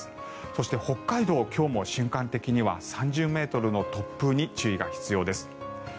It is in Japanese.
そして、北海道は今日も瞬間的には３０ｍの突風に注意が必要です。